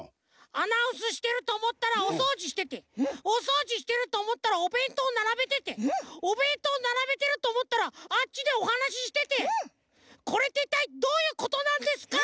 アナウンスしてるとおもったらおそうじしてておそうじしてるとおもったらおべんとうならべてておべんとうならべてるとおもったらあっちでおはなししててこれっていったいどういうことなんですか？